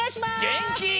げんき！